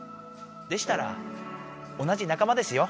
でしたら同じなかまですよ。